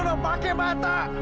udah pake mata